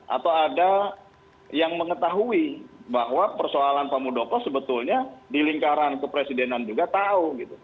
atau ada yang mengetahui bahwa persoalan pak muldoko sebetulnya di lingkaran kepresidenan juga tahu gitu